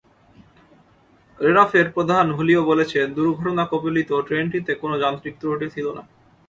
রেনফের প্রধান হুলিও বলেছেন, দুর্ঘটনাকবলিত ট্রেনটিতে কোনো যান্ত্রিক ত্রুটি ছিল না।